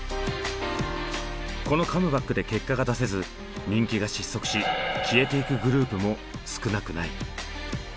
このカムバックで結果が出せず人気が失速し消えてゆくグループも少なくない。